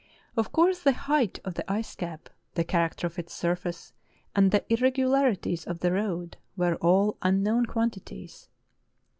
Of course, the height of the ice cap, the character of its surface, and the irregu larities of the road were all unknown quantities.